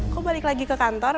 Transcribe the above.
kau balik lagi ke kantor